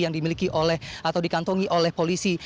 yang dimiliki oleh atau dikantongi oleh polisi